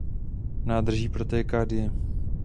Nádrží protéká Dyje.